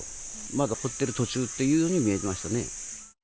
まだ掘ってる途中というふうに見えましたね。